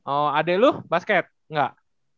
oh adek lo basket enggak